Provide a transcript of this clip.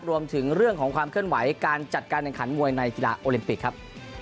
รวมถึงเรื่องของความเคลื่อนไหวการจัดการแข่งขันมวยในกีฬาโอลิมปิกครับ